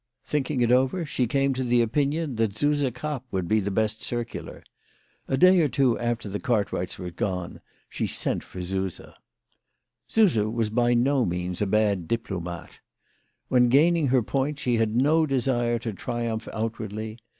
Thinking over it, she came to the opinion that Suse Krapp would be the best circular. A day or two after the Cartwrights were gone, she sent for Suse. Suse was by no means a bad diplomate. When gaining her point she had no desire to triumph out wardly.